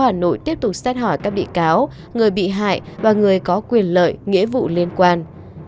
tòa án nhân dân tp hà nội tiếp tục xét hỏi các bị cáo người bị hại và người có quyền lợi nghĩa vụ liên quan